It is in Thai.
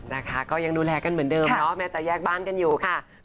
นะคะก็ยังดูแลกันเหมือนเดิมเนาะแม่จะแยกบ้านกันอยู่ค่ะ